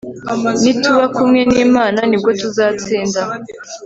nituba kumwe n'imana ni bwo tuzatsinda